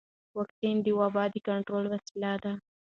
واکسن د وبا د کنټرول وسیله ده.